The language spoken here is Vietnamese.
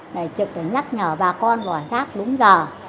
để trực để nhắc nhở bà con gọi rác đúng giờ